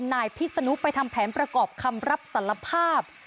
นายพิษนุไปทำแผนประกอบคำรับสารภาพ